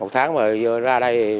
một tháng rồi ra đây